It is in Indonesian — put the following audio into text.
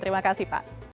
terima kasih pak